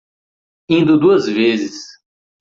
Indo duas vezes